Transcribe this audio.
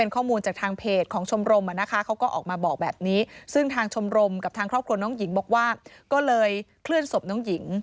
กับทางครอบครัวน้องหญิงบอกว่าก็เลยเคลื่อนศพน้องหญิง